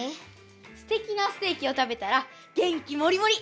すてきなステーキを食べたら元気モリモリ！